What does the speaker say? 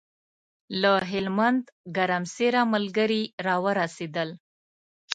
له هلمند ګرمسېره ملګري راورسېدل.